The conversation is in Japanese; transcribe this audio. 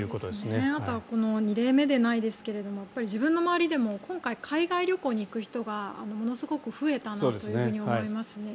あとは２例目ではないですが自分の周りでも今回、海外旅行に行く人がものすごく増えたなと思いますね。